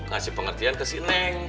kasih pengertian ke si neng